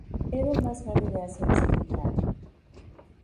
Era el más grande de Asia occidental.